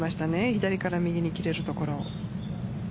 左から右に切れるところを。